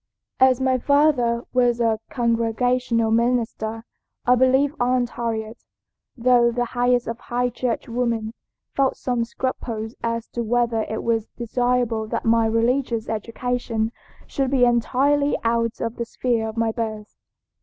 "As my father was a Congregational minister, I believe Aunt Harriet, though the highest of High Church women, felt some scruples as to whether it was desirable that my religious education should be entirely out of the sphere of my birth.